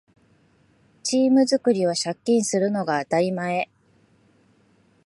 チーム作りは借金するのが当たり前